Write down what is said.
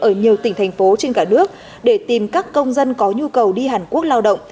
ở nhiều tỉnh thành phố trên cả nước để tìm các công dân có nhu cầu đi hàn quốc lao động